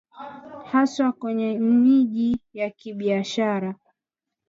haswa kwenye miji ya kibiashara